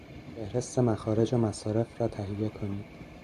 فهرست مخارج و مصارف را تهیه کنید